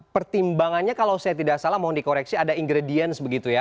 pertimbangannya kalau saya tidak salah mohon dikoreksi ada ingredients begitu ya